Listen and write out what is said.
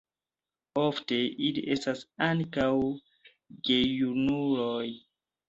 Ofte ili estas ankaŭ gejunuloj.